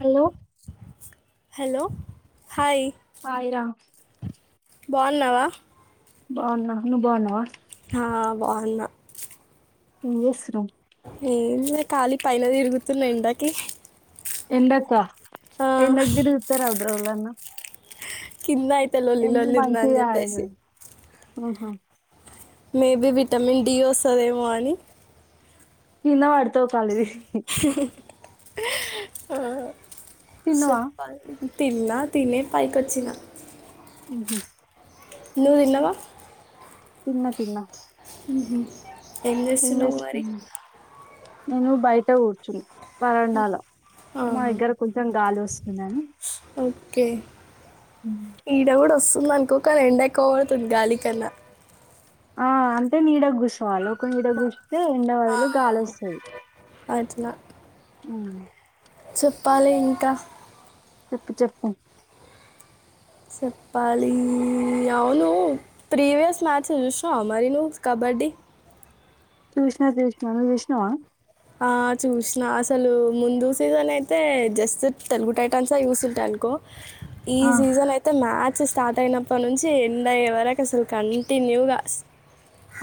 Hello hello hi hi రా బాగున్నావా బావున నువు బావునవా ఆ బావున్న ఏం జెసున్నావ్ ఏం లే ఖాళీ పైన తిరుగుతున్నా ఎండకి ఎంట అక్క ఆ, ఎండాక్ తిరుగుతర్ [unintelligible] కింద అయితే లొల్లిలోల్లింద అని కాదు చెప్పేసి ఆహా మేబి విటమిన్ డి వస్తాడేమో అని కింద పాడతావ్ కళ్ళు తిరిగి ఆ తిన్నవా సప్పల్ తిన్నా తినే పైకివచ్చిన ఉహ నువ్ తినవా తిన్నా తిన్నా ఉహు ఏం చేస్తున్నావ్ మరి నేను బయట కూర్చును వరండాలో మా ఆహా, దగ్గర కొంచెం గాలి వస్తు ఉ ఓకే ఉమ్. ఈడ కూడా వస్తు మనకోక ర ఎండెక్కవ గొడుతుంది గాలి కన్నా ఆ అంటే నీడగుస్సోవాలి ఒక నీడ ఏ ఎండ ఆ, బదులు గాలోస్సది అట్లా అఉ చెప్పాలి ఇంకా చెప్పు చెప్పు చెప్పాలి అవును ప్రీవియస్ మ్యాచ్ చూశినవా మరి నువ్వు కబడ్డీ చూష్ణ చూష్ణ నువజూష్ణవ ఆ చూసినా అసలు ముందు సీజన్ అయితే జస్ట్ తెలుగు టైటాన్స్ జస్సంటనుకో ఈ ఆ సీజన్ అయితే మ్యా చ్ స్టార్ట్ అయినప్ప నుంచి ఎండయ్యే వరకు అసలు కంటిన్యూగా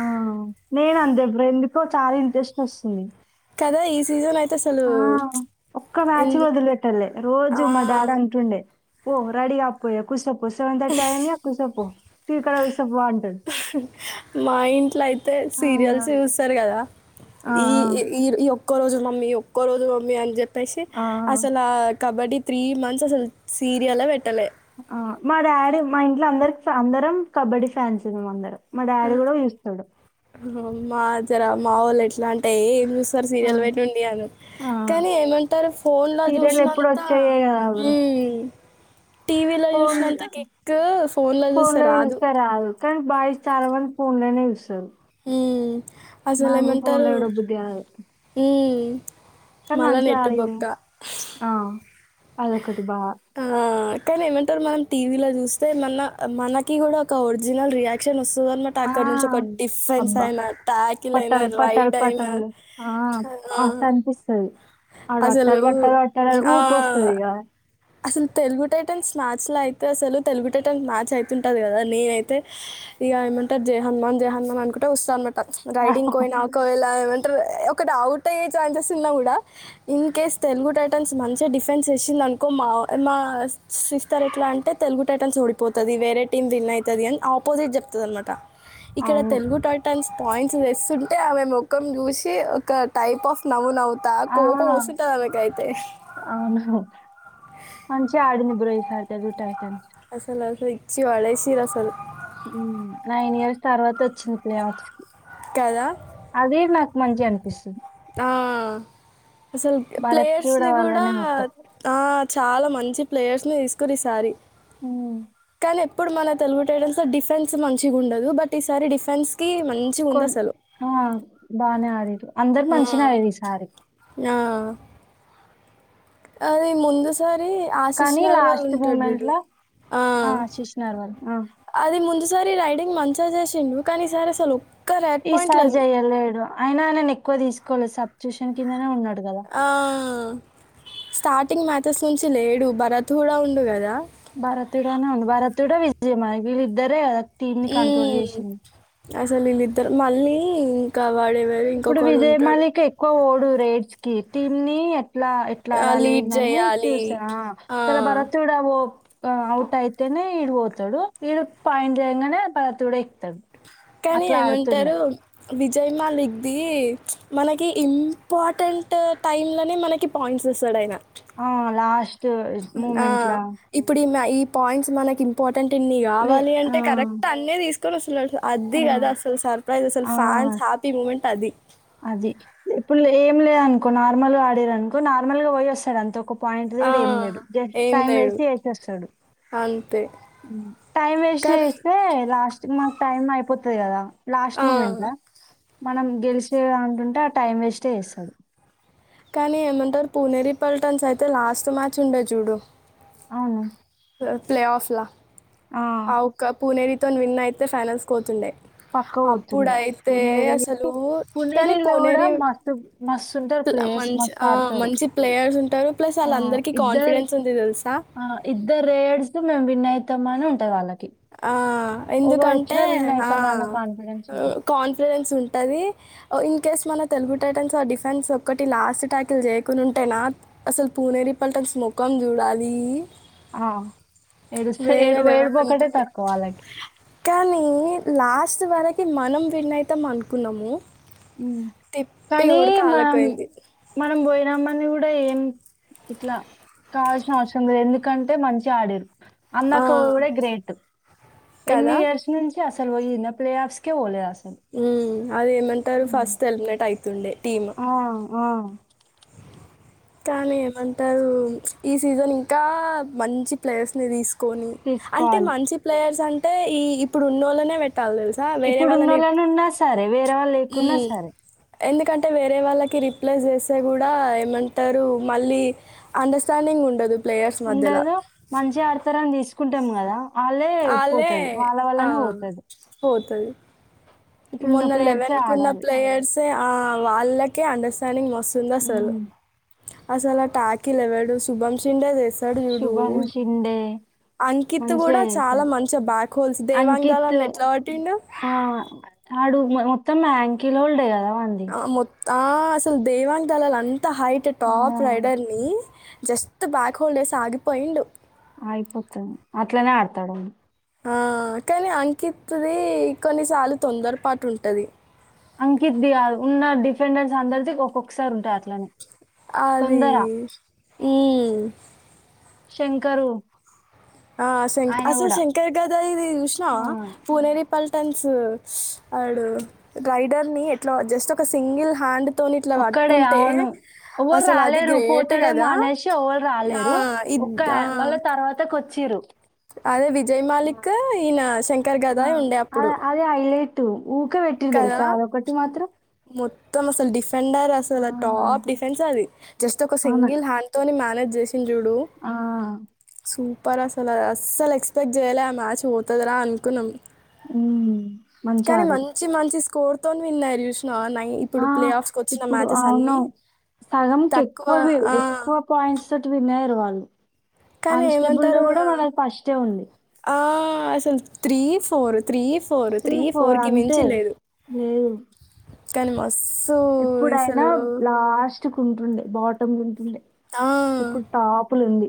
ఆ నేను అంతబర ఎందుకో చాలా ఇంట్రెస్ట్ వస్తుంది కదా ఈ సీజన్ అయితే అసలు ఆ ఒక్క మ్యాచ్ ఎందు వదిలి పెట్టాలే రోజు మా డాడంటుండే పో రెడీగాపోయకుసో కుస అంత టయింది ఆ కుసపొ తీకాడ వేస్తే బాగుంటాడు మా ఇంట్లో అయితే ఆ, సీరియల్స్ జూస్తారు గదా ఆ, ఈయ ఒక్కరోజు మమ్మి ఒక్కరోజు మమ్మీ అని చెప్పి ప్పేసి ఆ, అసలు కబడ్డీ త్రీ మంత్స్ అసలు సీరియలే పెట్టలే ఆ మా డాడీ మా ఇంట్లో అందరి అందరం కబడ్డీ ఫ్యాన్స్ మము అందరం మా డాడీ గూడా జూస్తడు మాజరా మావోల్లెట్లంటే సారి ఆ, సీరియల్ బయట్ ఉండి అని ఆ. కానీ ఏమంటారు ఫోన్ లో సీరియల్ ఎప్పుడు చూసినంత వచ్చాయే కదా బ్రో ఈ టీవీ లో ఫోన్ జూసినంత కిక్ ఫోన్ లో జూస్తే రాదు కానీ బాయ్స్ చాల మంది ఫోన్లే నే ఉమ్, అసలు ఏమంటారు లో ఉమ్ కాని మళ్ళా నెట్టు మంచిదు బొక్క ఆ అద ఆ కనీ మ మనం టీవీలో జూస్తే మన మనకి కూడా ఒక ఒరిజినల్ రియాక్షన్ వస్తు చూదనమాట అక్కడ నుంచి ఆ ఒక డిఫెన్స్ అబ్బా అయిన టాకిల్ అయినా పట్టాలు పట్టాలు రైడ్ అయినా పట్టాలు ఆ అ అసలు వాట్టారు వాట్టారు వాట్ట ఊ ఆ! ప వస్తగా అసలు తెలుగు టైటెన్స్ మ్యాచ్ లో అయితే అసలు తెలుగు టైటన్స్ మ్యాచ్ అయితుంటుది కదా నేన అయితే ఇక ఏమంటారు జయ హనుమాన్ జై హనుమాన్ అనుకుంటే వస్తా అనమాట రైడింగ్ కోయినాకలావ ఒక డౌట్ అయ్యే ఛాన్సెస్ ఉన్నా కూడా ఇన్ కేస్ తెలుగు టైటన్స్ మంచిగా డిఫెన్స్ వచ్చింది అనుకో మా మా సిస్తర్ ఎట్లా అంటే తెలుగు టైటన్స్ ఓడిపోతుంది వేరే టీమ్ విన్ అవుతుంది అని ఆపోజిట్ చెప్తుంది అనమాట ఇక్కడ అవును తెలుగు టైటాన్స్ పాయింట్స్ తెస్తుంటే ఆమె ముఖం చూసి ఒక టైప్ ఆఫ్ నవ్వు నవ్తా ఆ కో ఉసత అకాయితే మంచి ఆడింది పోయినసారి తెలుగు టైటాన్స్ అసలు అసలు ఇచ్చి పడేసిండ్రు అసలు నైన్ ఇయర్స్ తర్వాత వచ్చింది ప్లే ఆర్ట్స్ కి కదా అదే నాకు మంచి అనిపిస్తుంది ఆా అసలు భారత్ ప్లేయర్స్ ని కూడా వాళ్ళనే మొత్తం ఆ చాలా మంచి ప్లేయర్స్ ని తీసుకుని ఈసారి హు కానీ ఎప్పుడు మన తెలుగు టైటాన్స్ సో డిఫెన్స్ మంచిగా ఉండదు బట్ ఈసారి డిఫెన్స్ కొన్ బానే ఆరి అందరు ఆ, మంచిినది ఈ సారి ఆ. అది ముందు సార్ కానీ ఆశీష్నాల వాళ్ళు లాస్ట్ ఉంటాడు మూమెంట్ చూడు ల ఆ శిశునార్ వాళ్ళు ఆ అది ముందు సరే రైడింగ్ మంచిగా చేసిం కానీ సార్ అసలు రెడ్ పాయింట్ ఈసారి లేదు చెయ్యలేడు అయినన ఎక్వ తీకోవి సబ్ ట్యూషన్ కిందనే ఉన్నాడు గదా! ఆ స్టార్టింగ్ మ్యాథస్ నుంచి లేడు భరత్ కూడా ఉండు కదా భార తీడానా ఉంది భారత్తడా విజయమైన ఇలుద్దరే టీమ్ ని కంట్రోల్ మ్మ్. చేసింది అసలు వీళ్ళిద్దరు మళ్ళీ వాడేవారు ఇప్పుడు ఇంకొకడు ఉంటాడు విదేయమళకి ఎక్కువ ఓ రేడ్స్ క టీమ్ని ఎ ఎట్లా ఎట్లా లీడ్ ఆడాలేందని చేయాలి చూసా ఆ, ఇలా భరతుడా ఓ అవుట్ అయితేనే ఈడు పోతాడు ఈడు పాయింట్ చేయగానే భరత కూడా ఎక్కుతాడు కానీ అట్లా ఆడుతుండే. ఏమంటారు విజయ్ మాలిక్ది మనకి ఇంపార్టెంట్ టైంలోనే మనకి పాయింట్స్ వస్తాడు ఆయన ఆ లాస్ట్ ఆ మూమెంట్‌ల ఇప్పుడు ఈమే ఆ ఈ పాయింట్స్ మనకి ఇంపా ర్టెంటన్నై లే కావాలి ఆ! అంటే కరెక్ట్ అన్నే తీసు నిద్రొస్తుంది తెల్సా అది ఆ! కదా అసలు సర్ప్రైజ్ అసలు ఆ! ఫ్యాన్స్ హ్యాపీ మూమెంట్ అది అది. ఇప్పుడు లేం లేదు అనుకో నార్మల్ అడిర్రనుకో నార్మల్ గా పోయి వస్తాడు అంత ఒక పాయింట్ ఆ! తేడు ఏం తేడు జస్ట్ ఏం టైం లేడు వేస్ట్ చేసి వస్తడు అంతే. టై కానీ ఎసే లాస్ మకు టైమ్ అయిపోతుంది కదా లాస్ట్ ఆ! ముమెంట్ మనం గెలిచే అంటుంటే ఆ టైం వేస్టే చేస్తాడు కానీ ఏమంటారు పూనేరి పల్టన్స్ అయితే లాస్ట్ మ్యాచ్ ఉండే చూడు అవును ప్లే ఆఫ్లా ఆ! కా పూనేరి తను విన్ అయితే ఫైనాన్స్ పోతుండే పక్కా పోతుండే. అప్పుడయితే పునేరి అసలు కానీ పునేరిలో కూడా పోనేరి మస్తు మస్తుంటారు ప్లేయర్స్. మంచి మస్తు ఆడతారు. మంచి ప్లేయర్స్ ఉంటా టరు ప్లస్ ఆ! వాళ్ళందరికీ కాన్ఫిడెన్స్ ఉంది తెలుసా ప్ర్రేడ్స్ మేము విన్యితామని ఉంటాయి వాళ్ళకి ఆ ఎందుకంటే ఎవడొచ్చినా విన్ ఆ అయితాం అన్న కాన్ఫిడెన్స్ ఉంటది. కాన్ఫిడెన్స్ ఉంటది ఇంకా ఇకేస్ మన తెలుగు టైటన్స్ ఆ డిఫెన్స్ ఒక్కటి లాస్ట్ ట్యాకిల్ చేయకుని ఉంటేనా అసలు పూనేరి పల్టన్స్ ముఖం చూడాలి ఆ ఏడుస్త వేరే ఎడు ఎ లెవెల్ కానీ లాస్ట్ వర కి మనం విన్ అయితాం అనుకున్నాము తిప్పి కానీ కొడితే మనం ఆళ్ళకైంది. మనం పోయినామ కాని కూడా ఏం ఇట్లా కావాల్సిన అవసరం లేదు ఎందుకంటే మంచిగా ఆడిర్ ఆ! అందాక్క కూడ గ్రేట్ ఎన్ని కదా! ఇయర్స్ నుంచి ఏ అసలు వయినా ప్లే ఆఫ్స్ కే పోలే అస ఉమ్ అది ఏమంటారు ఫస్ట్ ఎలిమినేట్ అయితుండే టీమ్ ఆ, ఆ కానీ ఏమంటారు ఈ సీజన్ ఇంకా మంచి ప్లేయర్స్ ని తీస్ అంటే తీసుకోవాలి మంచి ప్లేయర్స్ అన్ అంటే ఈ ఇప్పుడు ఉన్నోళ్ళనే వెట్ ఇప్పుడు ఉన్న వాళ్ళని ఉన్నా సరే వేరే వాళు లేకున్నా మ్మ్. సరే ఎందుకంటే వేరే వాళ్ళకి రిప్లై చేస్తే కూడా ఏమంటారు మళ్ళీ అండర్స్టాండింగ్ ఉండదు ప్లేయర్స్ మధ్యలో ఉండదు మంచి ఆడతరాని తీసు కుంటాం కదా వాళ్ళే వాళ్ళే పోతది వాళ్ళ వల్లనే పోతది తది మొన్న లెవెన్ ఏ కున్న ఆడాలి ప్లేయర్స్ ఆ వాళ్ళకే అండర్స్టాండింగ్ స్తుంద అసలు ఉమ్. అసలు టాకిీలు ఎవడు శుభంషిండే చేస్ డు చూడు శుభం షిండే అంకిత్ మంచిగా కూడా చాలా చేశారు మంచిగా బ్యాక్ హోల్స్ దేవాంగ్ అంకిత్ దళన్న ఎట్లా పట్టిండు ఆ, ఆడు మొత్తం యాంకిల్ హోల్డే కదా వాంది ఆ మొ ఆ అసలు దేవాంగ్ దలాల అన్ ఇంత హైట్ ఆ, టాప్ రైడర్ ని జస్ట్ బ్యాక్ హోల్డర్స్ ఆగిపోయిండు అయిపోతుంది అట్లనే ఆడతాడు ఆ కానీ అంకిత్ ది కొన్నిసార్లు తొందర పాటు ఉంటది అంకిత్ ది కాదు ఉన్న డిఫెండర్స్ అందరిది ఒక్కొక్కసారి ఉంటారు అది ఈ శంకరు ఆ శంక్ ఆయన అసలు కూడా శంకర గదరిది ఆ, చూసినావా పునేరి పల్ టెన్సెస్ అడ్ రైడర్ ని ఎట్లా జస్ట్ ఒక సింగిల్ హ్యాండ్ ఒక్కడే అవును ఎవరు అసలు అది రాలేరు గ్రేట్ పోతడేమో గదా! అనేసి ఎవరు ఆ! రాలేరు ఒక్క ఇద్ ఆ! మళ్ళ తర్వాత కొ చిరు అదే విజయ్ మాలిక్ ఈయన శంకర్ గదాయ ఉండే అప్పుడు త ఊక పెట్టిర్దల్ తెలుసా అది ఒకటి మాత్ర త్తము అసలు డిఫ ఫెండర్ అసలు టాప్ డిఫెన్స్ అది జస్ట్ ఒక అవును సింగల్ హ్యాండ్ తో మేనేజ్ ఇంజుడు ఆ సూ పర్ అసలు అస్సలు ఎక్స్పెక్ట్ చేయ్యాలి ఆ మ్యాచ్ పోతదిర అనుకున్నాం హ్మ్మ్ కానీ మంచి మంచి కోర్ తోని ఎల్లుస్షన్ ఆ ఇప్పుడు అవును అన్నీ సగంకి తక్కువ ఎక్కువ ఆ! ఎక్కువ పాయింట్స్ తోటి వినారు వాళ్ళు అవును కానీ కానిస్టేబుల్ లో ఏమంటారు కూడా మనకు ఫస్టే ఉంది సలు three four three three four అంతే లేదు కనిమ ఎప్పుడైనా లాస్ట్ మచ్చుకుంటుండే బాటమ్ ఉంటుండే ఆ! ఇప్పుడు టాప్లో ఉంది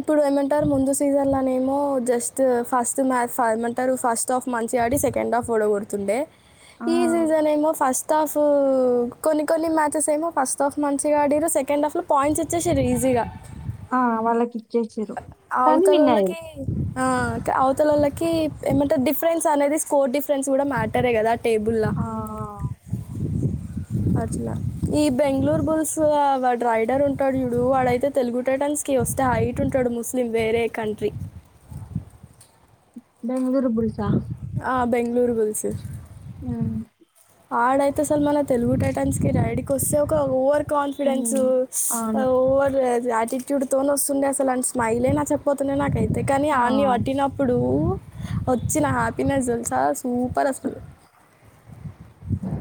ఇప్పుడు ఏమంటారు ముందు సీజన్లోనే ఏమో జస్ట్ ఫస్ట్ మ్యాచ్ ఏమంటారు ఫస్ట్ హాఫ్ మంచిగా ఆడి సెకండ్ హాఫ్ ఓడకూడుతుండే ఆ! ఈ సీజన్ ఏమో ఫస్ట్ హాఫ్ కొన్ని కొన్ని మ్యాచెస్ ఏమో ఫస్ట్ హాఫ్ మంచిగా ఆడిరు సెకండ్ హాఫ్లో పాయింట్స్ ఇచ్చేసారు ఈజీగా ఆ వాళ్ళకి అవుతకి అవుతలోళ్ళకి ఏమంటే డిఫరెన్స్ అనేది స్కోర్ డిఫరెన్స్ కూడా మ్యాటర్ ఏ కదా టేబుల్లా ఆ! అవును. అట్నా ఈ బెంగళూరు బుల్స్ వాడు రైడర్ ఉంటాడు ఇడు వాడైతే తెలుగు టటన్స్ కి వస్తే హైట్ ఉంటాడు ముస్లిం వేరే కంట్రీ బెంగళూరు బుల్సా బెంగళూరు బుల్స్ ఆ ఆడ అైతే అసలు మన తెలుగు టైటన్స్ కి రైడ్కి వస్తే ఒక ఓర్ కాన్ఫిడెన్సు హ్మ్. అవును. ఓవర్ ది ఆటిట్యూడ్ తోనే వస్తుండే అసలు అ స్మైలే నాచకపోతుండే నాకైతే అంతేకాని ఆ! ఆన్ని పట్టినప్పుడు వచ్చిన హ్యాపీినెస్ తెలుసా సూపర్ హ్మ్. అసలు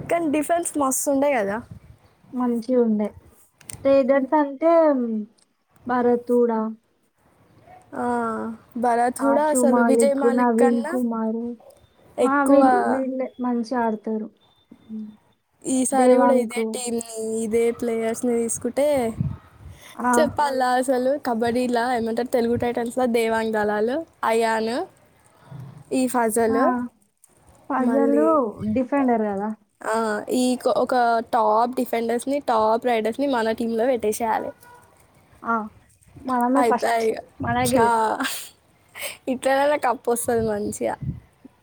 కానీ డిఫెన్స్ మస్తు ఉండే కదా మంచిగా ఉండే రేదర్స్ అంటే భరత్డా ఆ భరత్ కూడా ఆశు అసలు విజయ్ మాలిక్ నవీన్ కన్నా కుమారు ఆ ఎక్కువ వీళ్ళ వీళ్ళే మష చాడతారు ఈ సారి కూడా ఇదే టీమ్ ఇదే ప్లేయర్స్ని తీసుకుంటే ఆ చెప్పాలసలు కబడ్డీలో ఏమంటారు తెలుగు టైటస్లో దేవాంగ్ దళాలు అయాన్ ఈ ఆ ఫజలు మళ్ళీ పజలు డిఫెండర్ కదా ఆ ఈ ఒక టాప్ డిఫెండర్స్ ని టాప్ రైడర్స్ ని మన టీమ్ లో పెట్టేసేయాలి ఆ మనమే ఫస్ట్ మన గెల్లి ఇట్లనన్నా కప్పొస్తది మంచిగా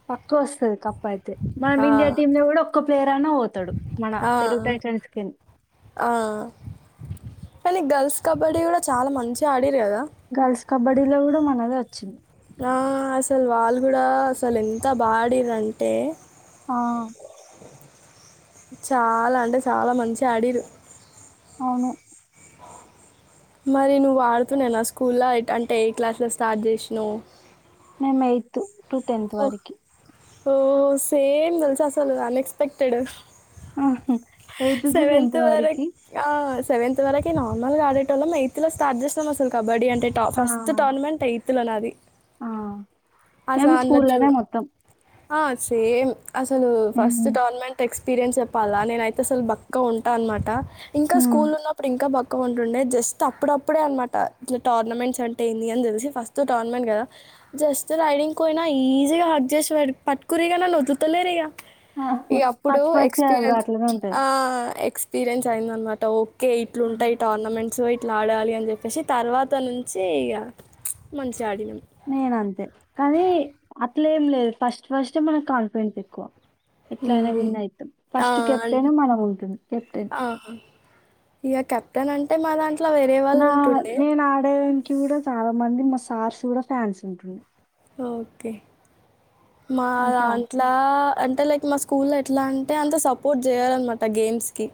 పక్కు వొస్తది కప్ ప్పుయితే మనం ఆ, ఇండియా టీమ్ లో గూడా ఒక్క ప్లేయర్ అయినా పోతాడు మన ఆ, తెలుగు టైటన్స్ కెన్ ఆ. కానీ గర్ల్స్ కబడ్డీ గూడా చాలా మంచి ఆ గర్ల్స్ కబడ్డీలో గూడా మనదే వచ్ చిన్ ఆ అసలు వాళ్లు గూడా అసలు ఎంత బాడిర్రు అంటే ఆ చాలా అంటే చాలా మంచి ఆడిరు అవును మరి నువ్వు ఆడుతున్నేనా స్కూల్లో అంటే ఏ క్లాస్ లో స్టార్ట్ జేసినవ్ నిమ్ ఎయితు టు టెన్త్ వరికి ఓ సేమ్ దెలుసా అసలు unexpected eighth to seventh tenth వర వరకి ఆ సెవెన్త్ వరకి నార్మల్ గా ఆడేటోళ్ళం ఎయిత్ లో స్టార్ట్ జేసినం అసలు కబడ్డీ అ ట ఆ ఫస్ట్ టోర్నమెంట్ ఎయి తుల నాది ఆ అస మేము అన్ల జు స్కూల్లోనే మొత్తం ఆ సేమ్ అసలు ఉహూ. ఫస్ట్ టోర్నమెంట్ ఎక్స్ పిరెన్స్ చెప్పాలా నేన అయితే అసలు బక్క ఉంటా అనమాట ఇంకా హ్మ్. స్కూల్ ఉన్నప్పుడు ఇంకా భక్ క ఉంటుండె జస్ట్ అప్పుడప్పుడే అనమాట ఇట్ల టోర్నమెంట్స్ అంటే ఏంది అని తెలిసి ఫస్ట్ టోర్నమెంట్ కదా జస్ రైడింగ్ కోయినా ఈజీగా హగ్ జేసి పట్టుకుర్రిగా నన్నోదళ్తా లేరిగా ఈ అప్పుడు ఫస్ట్ ఫస్ట్ బ్రో ఎక్స్పీరియన్స్ అట్లనే ఉంటది. ఆ ఎక్స్ ఎక్పీరిన్స్ అయిందనమాట ఒ కే ఇట్లుంటాయి టోర్నమెంట్స్ ఇట్లా ఆడాలి అని చెప్పేసి తర్వాత నుంచి ఇగ మంచి నేనంతే కానీ అట్లే ఏం లేదు ఫస్ట్ ఫస్ట్ మనకి కాన్ఫిడెన్స్ ఎక్కువ ఎట్లైన హ్మ్. విన్ అయితాం ఆ! ఫస్ట్ అన్ కెప్టెన్ మనం ఉంటుంది కెప్టెన్ ఆ! ఇగ కెప్టెన్ అంటే మా దాంట్లో వేరే వాళ్ళు నా ఉంటుండే నేను ఆడే ఈడ చాలా మంది మా సార్స్ కూడా ఫ్యాన్స్ ఉంట్రు ఆ ఓకే మా మంచిగా దాంట్లా అంటే లైక్ మా స్కూల్లో ఎట్లా అంటే అంత సపోర్ట్ చేయారన్నమాట గేమ్స్ కి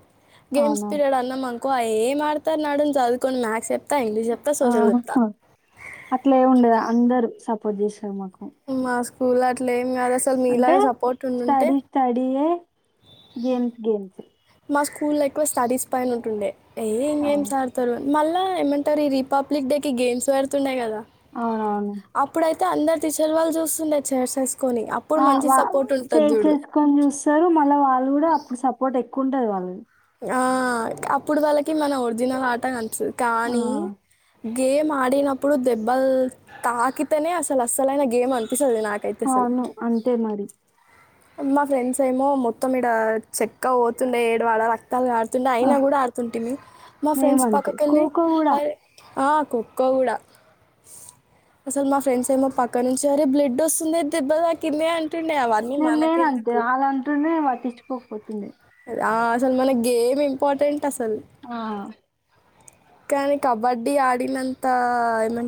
గేమ్స్ అవునా? పీరియడ్ అన్నమనుకో కో ఏం ఆడతారు నడున్ చదువుకొని మాక్స్ ఆహ అట్లెం ఉండదు అందరు సపోర్ట్ చేస్తరు మాకు మా సు స్కూల అట్లేం అంటే స్టడీ స్టడీయే గేమ్స్ గేమ్స్ ఏ మా స్కూల్ల ఎక్కువ స్టడీస్ పైన ఉంటుండే ఏ ఏమ్ అవును. గేమ్స్ ఆడ్తరు మళ్ళా ఏమంటరు ఈ రిపబ్లిక్ డే కి గేమ్స్ పెడుతుండే కదా అవునవును తే అందరు టీచర్ వాళ్లు చూస్తుండే చేర్సెస్ ఆ వా చేర్స్ ఏసుకొని చూస్తరు మళ్ళా వాళ్లు కూడా అప్పుడు సపోర్ట్ ఎక్ ఉంటది వాళ్లది ఆ అప్పుడు వాళ్ల కి మన ఒరిజినల్ ఆట కనిపిస్తది ఆ! కానీ గేమ్ ఆడినప్పుడు దెబ్బల్ తాకితేనే అసలు అస్సలైన గేమ్ అన్ అవును అంతే మరి మా ఫ్రెండ్స్ ఏమో మొత్తం ఈడ చెక్క పోతుండే ఏడవాడ రక్తాలు కారుతుండే అయినా ఆహ్! గుడా ఆడుతుంటిమి మా ఫ్రెండ్స్ మేమంతే. పక్కకెళ్లి ఖోఖో కూడా అరే ఆ కోకో గుడా అసలు మా ఫ్రెండ్స్ ఏమో పక్క నుంచి అరే బ్లడ్ వస్తుందే దెబ్బ తాకిందే అంటుండే అవన్నీ నేను మనకి నేనంతే ఆళ్ళంటుండే నేను పట్టించుకోకపోతుండే ఆ అసలు మనక్ గేమ్ ఇంపార్టెంట్ అసలు ఆ కానీ కబడ్డీ ఆడినంతా ఏమం